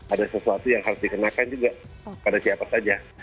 ada sesuatu yang harus dikenakan juga pada siapa saja